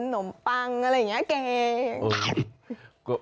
นมปังอะไรอย่างเนี้ย